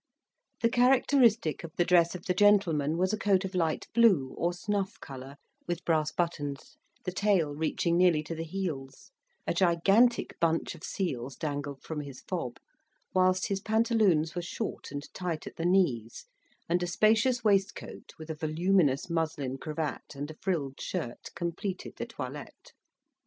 The characteristic of the dress of the gentleman was a coat of light blue, or snuff colour, With brass buttons, the tail reaching nearly to the heels; a gigantic bunch of seals dangled from his fob, whilst his pantaloons were short and tight at the knees; and a spacious waistcoat, with a voluminous muslin cravat and a frilled shirt, completed the toilette.